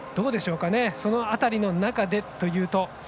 その辺りの中でというと。